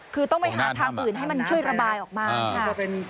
คือต้องไปหาทางอื่นให้มันช่วยระบายออกมาค่ะ